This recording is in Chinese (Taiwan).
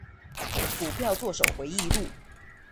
股票作手回憶錄